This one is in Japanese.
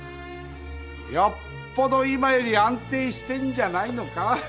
よっぽど今より安定してんじゃないのか